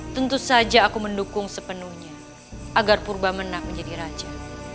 tentu saja aku mendukung sepenuhnya agar purba menang menjadi raja